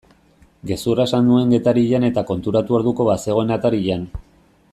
Gezurra esan nuen Getarian eta konturatu orduko bazegoen atarian.